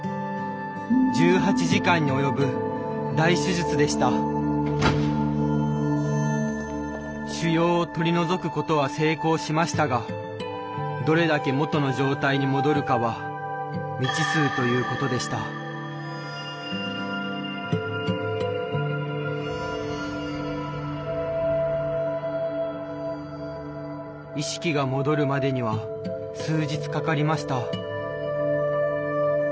終わったのは腫瘍を取り除くことは成功しましたがどれだけ元の状態に戻るかは意識が戻るまでには数日かかりました。